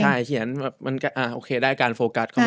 ใช่เขียนแบบมันก็โอเคได้การโฟกัสเขา